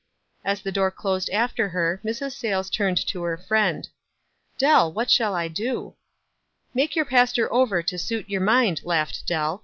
As the door closed after her, Mrs. Sayles turned to her friend. "Dell, what shall I do?" "Make your pastor over to suit your mind," laughed Dell.